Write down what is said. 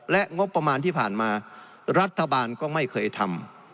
และงบประมาณที่ผ่านมารัฐบาลก็ไม่เคยทำ